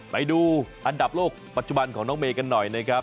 ไปดูอันดับโลกปัจจุบันของน้องเมย์กันหน่อยนะครับ